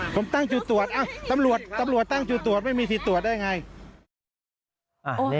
ผมตั้งจุดตรวจตำรวจตำรวจตั้งจุดตรวจไม่มีสิทธิ์ตรวจได้ไง